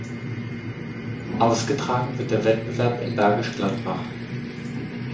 Ausgetragen wird der Wettbewerb in Bergisch Gladbach.